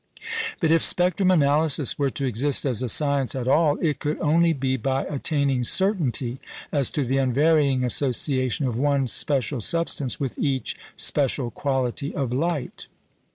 But if spectrum analysis were to exist as a science at all, it could only be by attaining certainty as to the unvarying association of one special substance with each special quality of light.